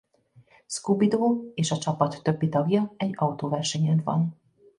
Scooby-Doo és a csapat többi tagja egy autóversenyen van.